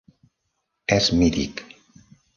És mític.